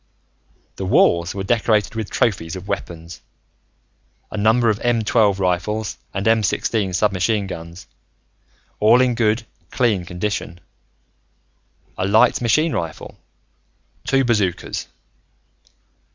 The walls were decorated with trophies of weapons a number of M 12 rifles and M 16 submachine guns, all in good, clean condition; a light machine rifle; two bazookas.